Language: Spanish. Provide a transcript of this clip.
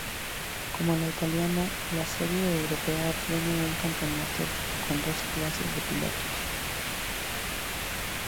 Como la italiana, la serie europea tiene un campeonato con dos clases de pilotos.